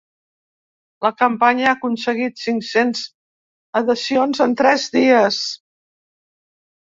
La campanya ha aconseguit cinc-cents adhesions en tres dies.